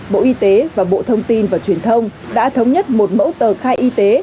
bộ y tế và bộ thông tin và truyền thông đã thống nhất một mẫu tờ khai y tế